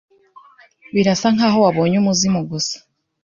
Birasa nkaho wabonye umuzimu gusa.